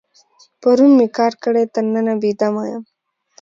پرون مې کار کړی، تر ننه بې دمه یم.